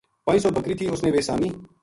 پنج سو بکری تھی اُس نے ویہ سامی